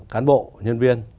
cán bộ nhân viên